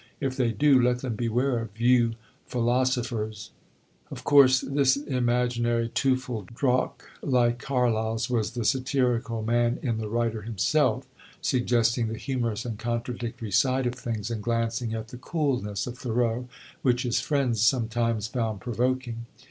If they do, let them beware of you philosophers.'" Of course, this imaginary Teufelsdröckh, like Carlyle's, was the satirical man in the writer himself, suggesting the humorous and contradictory side of things, and glancing at the coolness of Thoreau, which his friends sometimes found provoking.